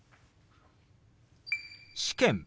「試験」。